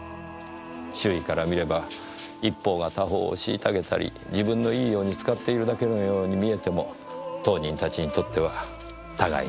周囲から見れば一方が他方を虐げたり自分のいいように使っているだけのように見えても当人たちにとっては互いに欠く事の出来ない